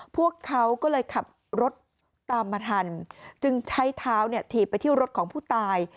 พวกเขาก็เลยขับรถตามมาทันจึงใช้เท้าเนี่ยถีบไปที่รถของผู้ตาย